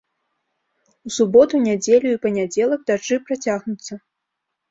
У суботу, нядзелю і панядзелак дажджы працягнуцца.